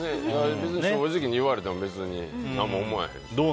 正直に言われても別に何も思わへんしね。